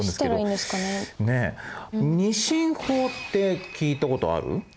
２進法って聞いたことある？